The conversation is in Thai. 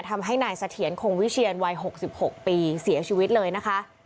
ทำให้นายเสถียรคงวิเชียนวัย๖๖ปีเสียชีวิตเลยนะคะ